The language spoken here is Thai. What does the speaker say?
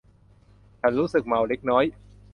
ฉันรู้สึกเมาเล็กน้อย